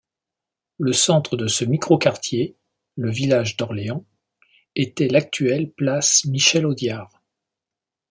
Le centre de ce micro-quartier, le village d'Orléans, était l'actuelle place Michel-Audiard.